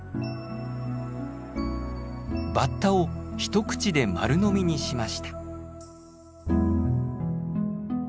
バッタを一口で丸飲みにしました。